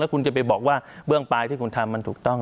คุณจะไปบอกว่าเบื้องปลายที่คุณทำมันถูกต้อง